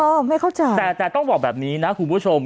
ไม่เข้าใจแต่แต่ต้องบอกแบบนี้นะคุณผู้ชม